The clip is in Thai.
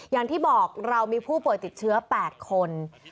อย่างที่บอกเรามีผู้ป่วยติดเชื้อ๘คน